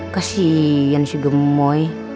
kasian si gemoy